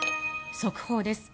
速報です。